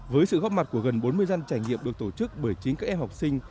với sự góp mặt của gần bốn mươi gian trải nghiệm được tổ chức bởi chính các em học sinh